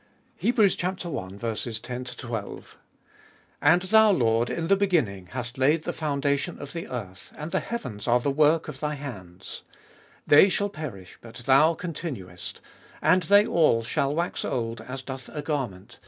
I. 10. And, Thou, Lord, In the beginning hast laid the foundation of the earth, And the heavens are the work of thy hands : 11. They shall perish; but thou continuest: And they all shall wax old as doth a garment 12.